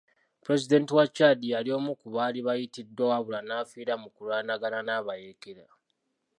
Pulezidenti wa Chad yali omu ku baali bayitiddwa wabula n'afiira mu kulwanagana n'abayeekera.